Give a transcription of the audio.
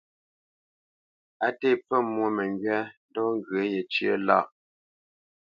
Á tê pfə mwô məŋgywa ndɔ̌ ŋgyə̂ yəcé lâʼ.